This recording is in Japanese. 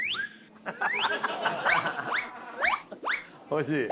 おいしい？